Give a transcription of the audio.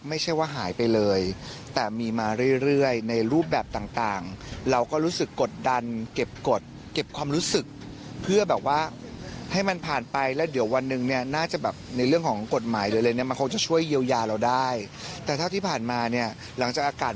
อ้าวพี่โก้ทำไมไม่ซักอ่ะเก็บไว้เป็นหลักฐานครับ